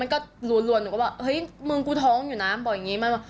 มันก็รวนหนูก็บอกเฮ้ยมึงกูท้องอยู่นะบอกอย่างเงี้ย